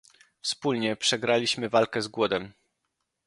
"Wspólnie przegraliśmy walkę z głodem